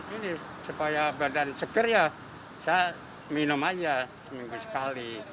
ini supaya badan seger ya saya minum aja seminggu sekali